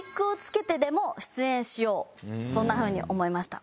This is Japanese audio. そんな風に思いました。